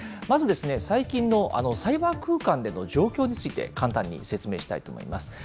まず、最近のサイバー空間での状況について簡単に説明したいと思います。